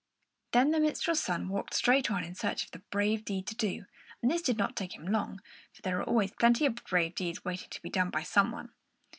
Then the minstrel's son walked straight on in search of a brave deed to do; and this did not take him long, for there are always plenty of brave deeds waiting to be done by some one.